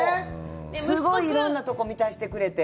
すごいいろんなとこ見させてくれて。